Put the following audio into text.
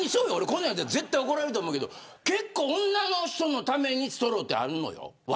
こんなんやったら絶対怒られると思うけど結構、女の人のためにストローってあんのよ。